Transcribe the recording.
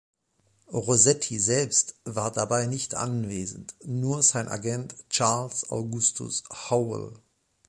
Rossetti selbst war dabei nicht anwesend, nur sein Agent Charles Augustus Howell.